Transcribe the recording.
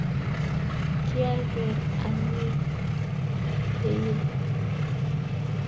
kianger anying keiryi